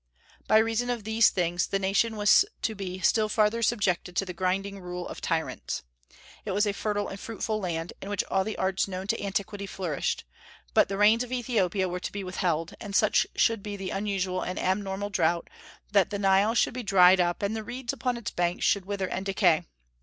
By reason of these things the nation was to be still farther subjected to the grinding rule of tyrants. It was a fertile and fruitful land, in which all the arts known to antiquity flourished; but the rains of Ethiopia were to be withheld, and such should be the unusual and abnormal drouth that the Nile should be dried up, and the reeds upon its banks should wither and decay.